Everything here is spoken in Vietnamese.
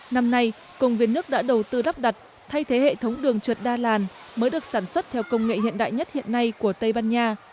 năm nay công viên nước đã đầu tư đắp đặt thay thế hệ thống đường trượt đa làn mới được sản xuất theo công nghệ hiện đại nhất hiện nay của tây ban nha